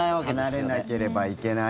離れなければいけない